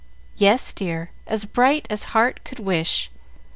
"Yes, dear; as bright as heart could wish.